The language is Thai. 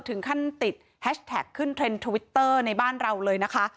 ถึงขั้นติดแฮชแท็กขึ้นเทรนด์ทวิตเตอร์ในบ้านเราเลยนะคะ